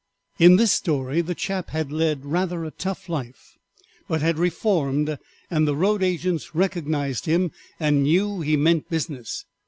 In this story the chap had led rather a tough life, but had reformed, and the road agents recognized him and knew he meant business.